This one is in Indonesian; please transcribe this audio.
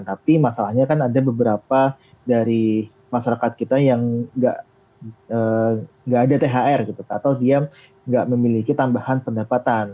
tapi masalahnya kan ada beberapa dari masyarakat kita yang nggak ada thr gitu atau dia nggak memiliki tambahan pendapatan